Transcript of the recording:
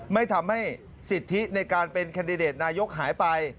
ไม่ทำให้สิทธิในการเป็นแคนดิเดตนายกหายไป